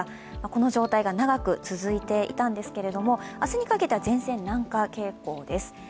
この状態が長く続いていたんですけれども明日にかけては前線、南下傾向です。